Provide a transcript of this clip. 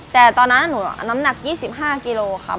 แต่ตอนนั้นน้ำหนัก๒๕กิโลกรัมค่ะ